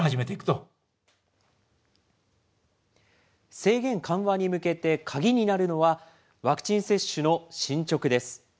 制限緩和に向けて、鍵になるのは、ワクチン接種の進捗です。